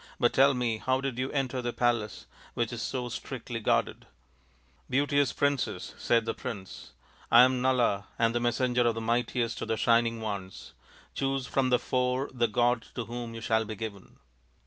But tell me, how did you enter the palace, which is so strictly guarded ?"" Beauteous Princess," said the prince, " I am Nala and the messenger of the mightiest of the Shining Ones. Choose from the four the god to whom you shall be given."